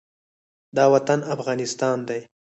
دا وطن افغانستان دی